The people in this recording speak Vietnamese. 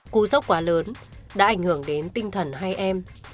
cú sốc quá lớn đã ảnh hưởng đến tinh thần hai em